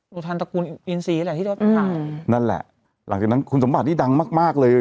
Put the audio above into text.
สุธรรณตระกูลอินทรีย์แหละที่เขาถ่ายนั่นแหละหลังจากนั้นคุณสมบัติที่ดังมากเลย